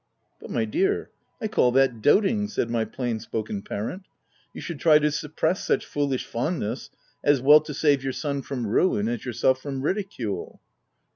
" But my dear, I call that doting," said my plain spoken parent. " You should try to sup press such foolish fondness, as well to save your son from ruin as yourself from ridicule."